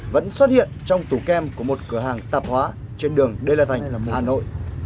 vẫn xuất hiện trong tủ kem của một cửa hàng tạp hóa trên đường đê la thành hà nội